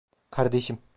Kardeşim.